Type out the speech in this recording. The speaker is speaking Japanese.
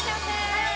はい！